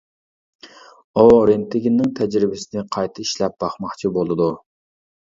ئۇ رېنتىگېننىڭ تەجرىبىسىنى قايتا ئىشلەپ باقماقچى بولىدۇ.